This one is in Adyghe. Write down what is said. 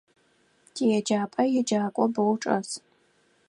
Тиеджапӏэ еджакӏо бэу чӏэс.